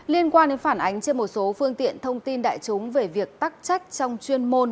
liên quan đến phản ánh trên một số phương tiện thông tin đại chúng về việc tắc trách trong chuyên môn